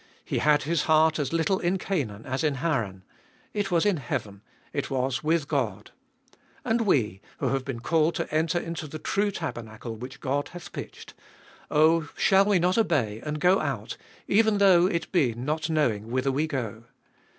He had his heart as little in Canaan as in Haran; it was in heaven ; it was with God. And we, who have been called to enter into the true tabernacle which God hath pitched— oh, shall we not obey, and go out, even though it be not knowing whither we go.